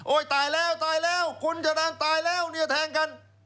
ตายแล้วตายแล้วคุณจรรย์ตายแล้วเนี่ยแทงกัน